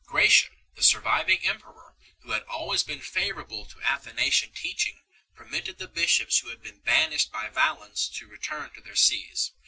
Gratian, the surviving emperor, who had always been favourable to Athanasian teaching, permitted the bishops who had been banished by Valens to return to their sees.